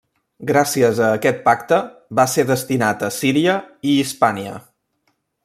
Gràcies a aquest pacte va ser destinat a Síria i Hispània.